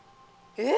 えっ？